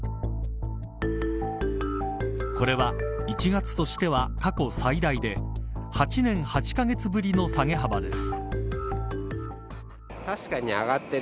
これは１月としては過去最大で８年８カ月ぶりの下げ幅です。